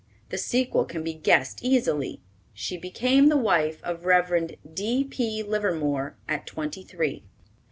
The sequel can be guessed easily; she became the wife of Rev. D.P. Livermore at twenty three.